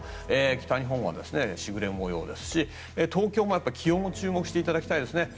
北日本は時雨模様ですし東京も気温に注目していただきたいですね。